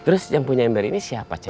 terus yang punya ember ini siapa